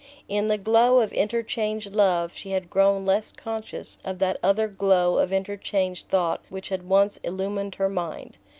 In the glow of interchanged love she had grown less conscious of that other glow of interchanged thought which had once illumined her mind.